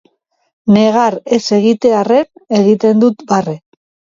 Negar ez egitearren egiten dut barre.